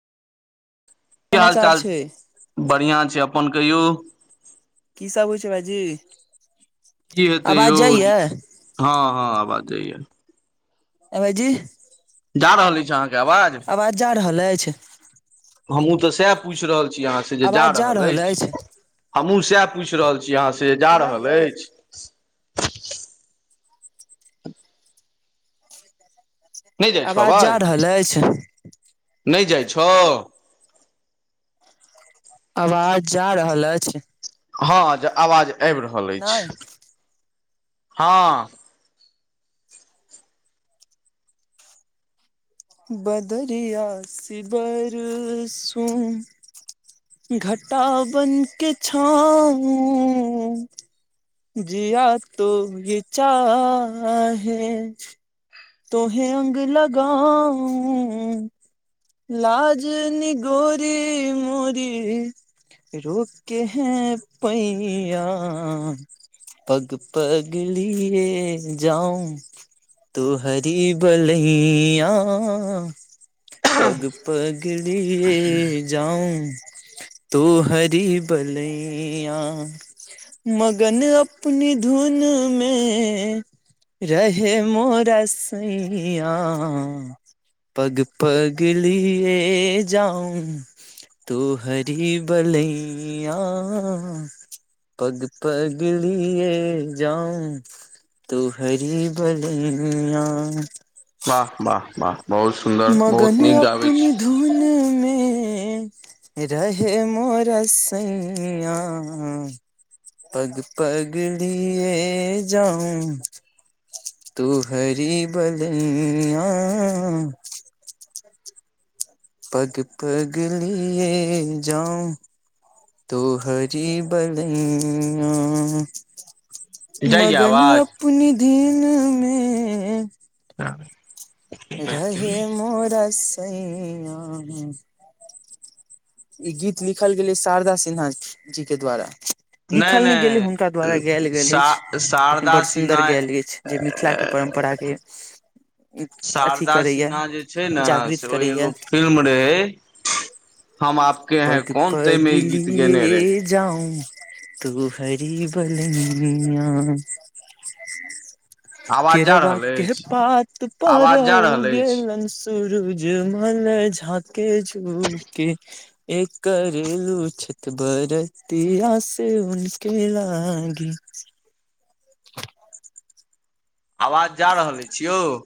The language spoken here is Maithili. की हाल समाचार चाल छै बढ़िआँ छै अपन कहियौ की सब होइ छै भाजी की हेतै यौ आबाज जाइया हँ हँ आवाज जइएै ए भैयजी जा रहल अछि छै अहाँके आवाज आवाज जा रहल अछि हमू तऽ सएह पूछि रहल छी अहाँसँ जे जा रहल अछि हमहुँ सएह पूछि रहल छी अहाँ से जा रहल सुनाइये अछि नहि जाइ छो आवाज जा अबाज रहल अछि नहि जाइ छो आवाज जा रहल अछि हँ आवाज आबि रहल अछि नहि हँ बदरिया सि बरसू घटा बनके छाउ जीया तोए चाहे तोहें अंग लगा‌उ लाजनी गोरी मोरी रोपके हें पैया पग पगलि ए जाउ तो हरि बलैया पग पगली ए जाउ तो हरि बलैया मगन अपनी धुन मे रहैय मोरा स‌ईया पग पगलि ए जाउ तू हरि बलैया पग पगलि ए जाउ तो हरी बलैया वाह वाह वाह बहुत सुन्दर बहुत मगन नीक गाबै अपने छी धुनमे रहे मोरा सैयाँ। पग-पग लऽ जाउ। तू हरि बलैया। पग-पग लऽ जाउ। तो हरी बलैया। जाइया मगन आवाज अपने धिनमे। हँ [unintelligible] रहे मोरा सैयाँ। ई गीत लिखल गेलै शारदा सिन्हाजी के द्वारा लिखल नहि गेले हुनका द्वारा गायल गेल सा छै लेकिन शारदा बड़ सिन्हा सुदर गायल छै। जे मिथिलाके परम्पराके अथी शारदा करैया सिन्हा जे छै, ने जागृत सऽ ओ एगो करैया फिल्म रहे हम आपके हैं पग कौन ते पग मे ई गीत गैने रहे लिए जाउ तोहरि बलैया। आवाज जा रहल केलबाके अछि पात पर आवाज जा रहल अछि उगेलनि सुरज। सुरुज मल झाँके झुँके। एकेरेलू छत बरतियासे उनके लागि। आवाज जा रहल छै यौ?